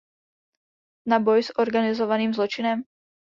Na boj s organizovaným zločinem?